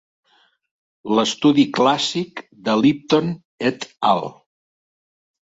L'estudi clàssic de Lipton et al.